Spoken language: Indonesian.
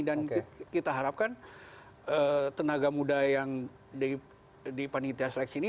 dan kita harapkan tenaga muda yang dipanitia seleksi ini